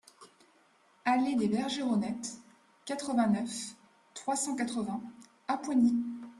Allée des Bergeronettes, quatre-vingt-neuf, trois cent quatre-vingts Appoigny